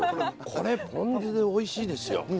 これぽん酢でおいしいですよ。